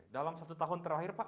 dalam satu tahun terakhir pak